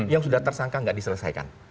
yang sudah tersangka nggak diselesaikan